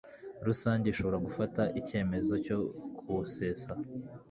Rusange ishobora gufata icyemezo cyo kuwusesa